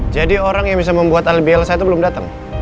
jadi orang yang bisa membuat alibi elsa itu belum datang